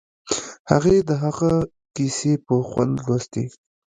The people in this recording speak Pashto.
هغې د هغه کیسې په خوند لوستې